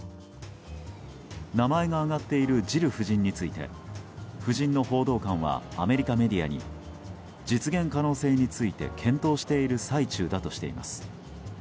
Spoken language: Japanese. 名前が挙がっているジル夫人について夫人の報道官はアメリカメディアに実現可能性について検討している最中だとしています。